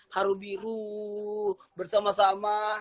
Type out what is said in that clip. haru biru bersama sama